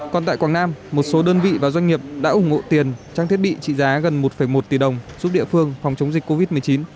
còn tại quảng nam một số đơn vị và doanh nghiệp đã ủng hộ tiền trang thiết bị trị giá gần một một tỷ đồng giúp địa phương phòng chống dịch covid một mươi chín